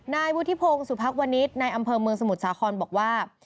นายวุฒิพงศ์สุพักวนิษฐ์ในอำเภอเมืองสมุทรสาครบอกว่า